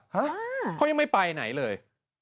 ฮะเขายังไม่ไปไหนเลย